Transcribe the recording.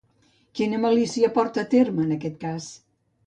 Quina malícia porta a terme en aquest cas?